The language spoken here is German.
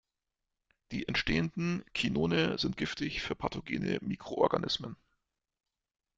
Die entstehenden Chinone sind giftig für pathogene Mikroorganismen.